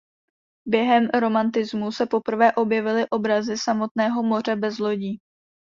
Během romantismu se poprvé objevily obrazy samotného moře bez lodí.